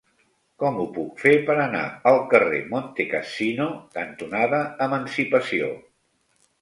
Com ho puc fer per anar al carrer Montecassino cantonada Emancipació?